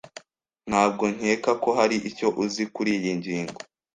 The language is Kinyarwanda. Ntabwo nkeka ko hari icyo uzi kuriyi ngingo.